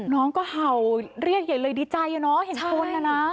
น้องก็เห่าเรียกใหญ่เลยดีใจอะเนาะเห็นคนอ่ะนะ